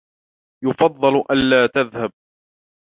يُفضّل ألا تذهب.